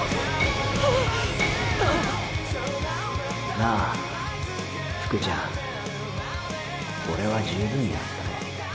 なあ福ちゃんオレは十分やったろ。